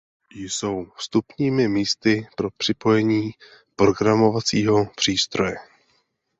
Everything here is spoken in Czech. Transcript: Jsou vstupními místy pro připojení programovacího přístroje.